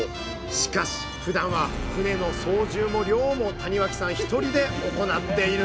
しかしふだんは船の操縦も漁も谷脇さん１人で行っているんです。